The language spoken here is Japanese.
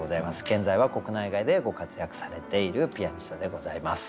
現在は国内外でご活躍されているピアニストでございます。